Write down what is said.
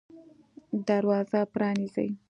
دروازه پرانیزئ